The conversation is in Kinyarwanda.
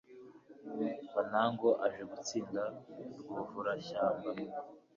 Bunangu aje gutsinda Rwuvura-shyamba.